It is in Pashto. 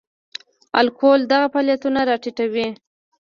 الکول دغه فعالیتونه را ټیټوي.